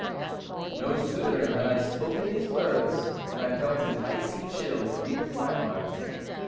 No sooner had I spoken these words, than I felt an icy chill creep to my heart.